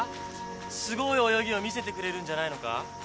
すごい泳ぎを見せてくれるんじゃないのか？